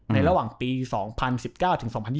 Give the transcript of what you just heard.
ระหว่างปี๒๐๑๙ถึง๒๐๒๐